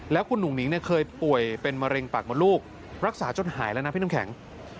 แล้วคุณหนุ่งหนิงเคยป่วยเป็นมะเร็งปากมดลูกรักษาจนหายแล้วนะพี่น้ำแข็ง